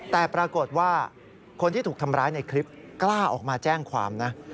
แต่ปรากฏว่าคนที่ถูกทำร้ายในคลิปกล้าออกมาแจ้งความนะ